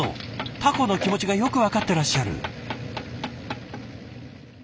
タコの気持ちがよく分かってらっしゃる。